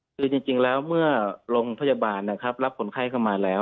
คือจริงแล้วเมื่อโรงพยาบาลนะครับรับคนไข้เข้ามาแล้ว